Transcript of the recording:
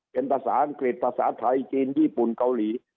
เป็นภาษาอังกฤษภาษาไทยจีนญี่ปุ่นเกาหลี